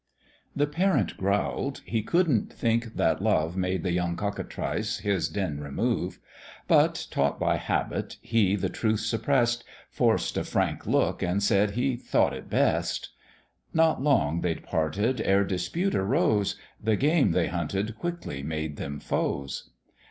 The parent growl'd, he couldn't think that love Made the young cockatrice his den remove; But, taught by habit, he the truth suppress "d, Forced a frank look, and said he "thought it best." Not long they'd parted ere dispute arose; The game they hunted quickly made them foes.